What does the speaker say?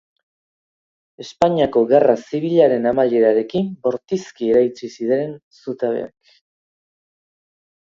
Espainiako Gerra Zibilaren amaierarekin bortizki eraitsi ziren zutabeak.